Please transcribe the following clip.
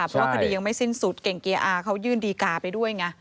เพราะคดียังไม่สิ้นสุดเก่งเกียร์อาเขายื่นดีกาไปด้วยไง